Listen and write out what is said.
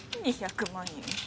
２００万円。